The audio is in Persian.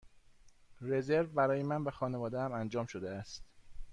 رزرو برای من و خانواده ام انجام شده است.